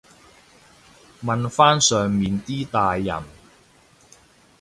問返上面啲大人